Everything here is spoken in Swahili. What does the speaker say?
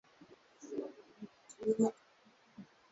Mina potecha makuta ya ku uza ma mpango ya mama